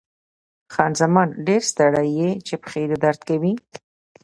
خان زمان: ډېر ستړی یې، چې پښې دې درد کوي؟